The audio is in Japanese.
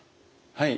はい。